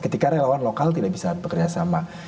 ketika relawan lokal tidak bisa bekerjasama